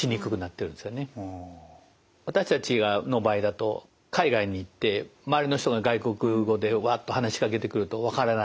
私たちの場合だと海外に行って周りの人が外国語でわっと話しかけてくるとわからない。